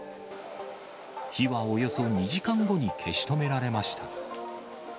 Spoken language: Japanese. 火はおよそ２時間後に消し止められました。